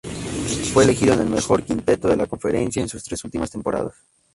Fue elegido en el mejor quinteto de la conferencia en sus tres últimas temporadas.